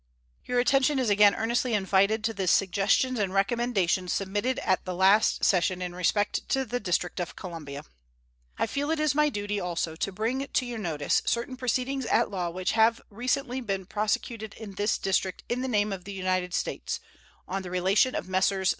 Your attention is again earnestly invited to the suggestions and recommendations submitted at the last session in respect to the District of Columbia. I feel it my duty also to bring to your notice certain proceedings at law which have recently been prosecuted in this District in the name of the United States, on the relation of Messrs.